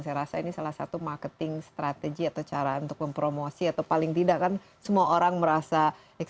saya rasa ini salah satu marketing strategi atau cara untuk mempromosi atau paling tidak kan semua orang merasa